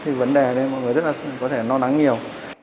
mọi người chưa hiểu hết vấn đề lây mọi người rất là có thể no nắng nhiều